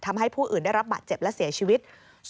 ทำให้ผู้อื่นได้รับบาดเจ็บและเสียชีวิต